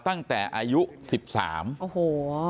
ตั้งแต่อายุ๑๓โอ้โห